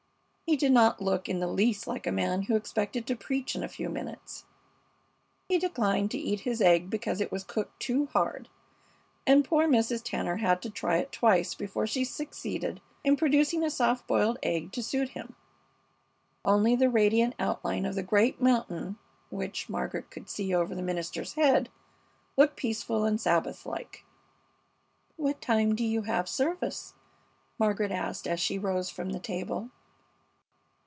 He did not look in the least like a man who expected to preach in a few minutes. He declined to eat his egg because it was cooked too hard, and poor Mrs. Tanner had to try it twice before she succeeded in producing a soft boiled egg to suit him. Only the radiant outline of the great mountain, which Margaret could see over the minister's head, looked peaceful and Sabbath like. "What time do you have service?" Margaret asked, as she rose from the table.